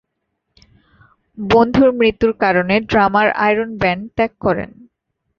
বন্ধুর মৃত্যুর কারণে ড্রামার আয়রন ব্যান্ড ত্যাগ করেন।